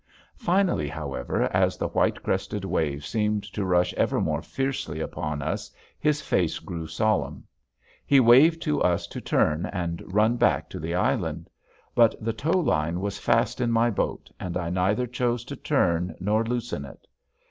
Finally, however, as the white crested waves seemed to rush ever more fiercely upon us his face grew solemn. He waved to us to turn and run back to the island. But the tow line was fast in my boat and I neither chose to turn nor loosen it.